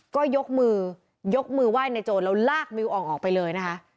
ก็ยกมือยกมือไหว้ในโจรแล้วลากมิวออกออกไปเลยนะคะ